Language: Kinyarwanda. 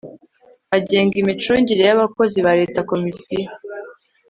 agenga imicungire y abakozi ba leta komisiyo